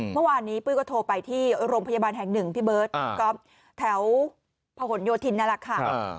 เมื่อวานนี้ปื๊กก็โทรไปที่โรงพยาบาลแห่งหนึ่งพี่เบิร์ตแถวพหนโยธินนรกข่าว